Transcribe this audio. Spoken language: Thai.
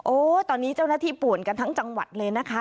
ตอนนี้เจ้าหน้าที่ป่วนกันทั้งจังหวัดเลยนะคะ